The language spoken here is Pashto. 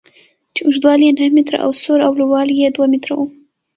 چې اوږدوالی یې نهه متره او سور او لوړوالی یې دوه متره و.